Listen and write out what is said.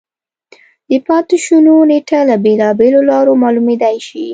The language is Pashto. د پاتې شونو نېټه له بېلابېلو لارو معلومېدای شي.